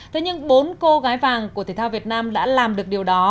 thế nhưng bốn cô gái vàng của thể thao việt nam đã làm được điều đó